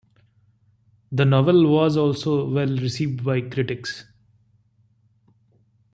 The novel was also well received by critics.